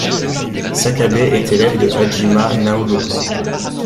Sakabe est élève de Ajima Naonobu.